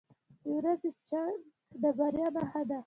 • د ورځې چمک د بریا نښه ده.